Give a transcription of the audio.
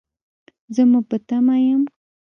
زه مو په تمه یم